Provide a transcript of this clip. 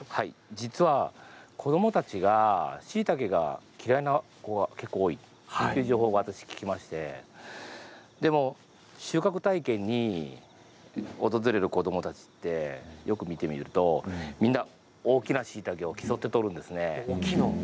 実は子どもたちがしいたけが嫌いな子が結構多いという情報を私、聞きましてでも収穫体験に訪れる子どもたちってよく見てみるとみんな大きなしいたけを競って採るんですね。